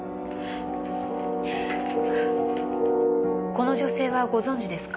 この女性はご存じですか？